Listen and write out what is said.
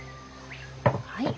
はい。